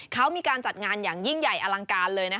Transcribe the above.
เขามีการจัดงานอย่างยิ่งใหญ่อลังการเลย